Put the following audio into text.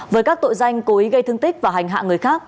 với các tội danh cố ý gây thương tích và hành hạ người khác